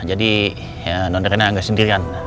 jadi nondrena gak sendirian